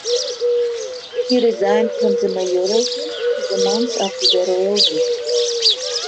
He resigned from the mayoralty the month after the royal visit.